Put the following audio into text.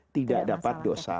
tidak dapat dosa